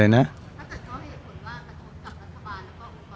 เลยมาทั่วไป